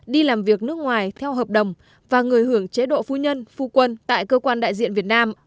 đi làm việc nước ngoài theo hợp đồng và người hưởng chế độ phu nhân phu quân tại cơ quan đại diện việt nam